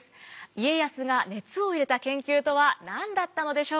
家康が熱を入れた研究とは何だったのでしょうか。